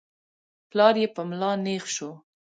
پلار يې په ملا نېغ شو.